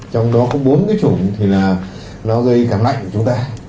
trong đó có bốn cái chủng thì là nó gây càng lạnh của chúng ta